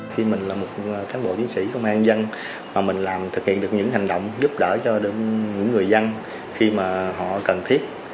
khi mình là một cán bộ chiến sĩ công an dân mà mình làm thực hiện được những hành động giúp đỡ cho những người dân khi mà họ cần thiết